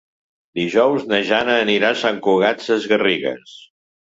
Dijous na Jana anirà a Sant Cugat Sesgarrigues.